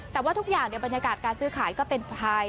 แต่ว่าทุกอย่างบรรยากาศการซื้อขายก็เป็นภัย